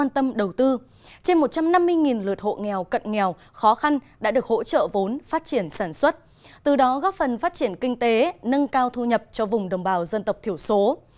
trên một trăm năm mươi lượt hộ nghèo cận nghèo khó khăn đã được hỗ trợ vốn phát triển sản xuất từ đó góp phần phát triển kinh tế nâng cao thu nhập cho vùng đồng bào dân tộc thiểu số